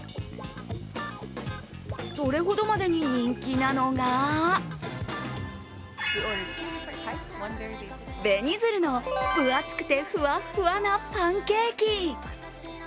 それほどまでに人気なのが紅鶴の分厚くてふわっふわなパンケーキ。